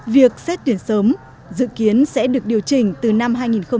việc xét tuyển sớm dự kiến sẽ được điều chỉnh từ năm hai nghìn một mươi năm